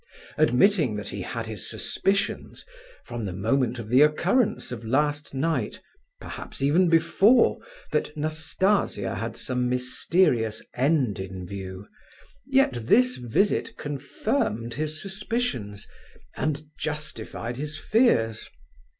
Admitting that he had his suspicions, from the moment of the occurrence of last night, perhaps even before, that Nastasia had some mysterious end in view, yet this visit confirmed his suspicions and justified his fears.